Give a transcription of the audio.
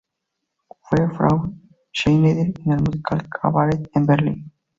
Fue Frau Schneider en el musical Cabaret en Berlín.